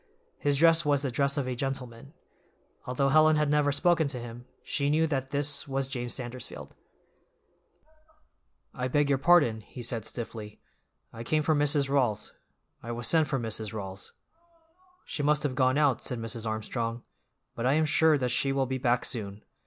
His dress was the dress of a gentleman. Although Helen had never spoken to him, she knew that this was James Sandersfield. "I beg your pardon," he said stiffly, "I came for Mrs. Rawls. I was sent for Mrs. Rawls." "She must have gone out," said Mrs. Armstrong, "but I am sure that she will be back soon.